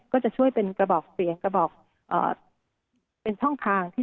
ก็จะช่วยเป็นกระบอกเสียง